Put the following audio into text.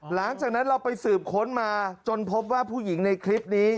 หลังจากนั้นเราไปสืบค้นมาจนพบว่าผู้หญิงในคลิปนี้